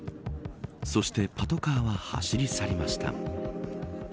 そして、パトカーは走り去りました。